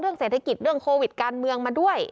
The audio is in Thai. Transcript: เศรษฐกิจเรื่องโควิดการเมืองมาด้วย